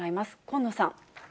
近野さん。